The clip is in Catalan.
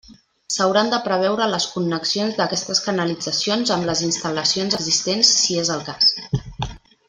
S'hauran de preveure les connexions d'aquestes canalitzacions amb les instal·lacions existents si és el cas.